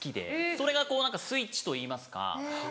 それがこう何かスイッチといいますか。